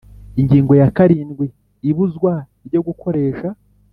Ingingo ya karindwi Ibuzwa ryo gukoresha